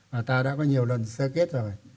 mà ta đã có nhiều lần sơ kết rồi